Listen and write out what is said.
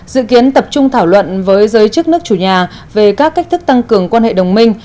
dự kiến tập trung thảo luận với giới chức nước chủ nhà về các cách thức tăng cường quan hệ đồng minh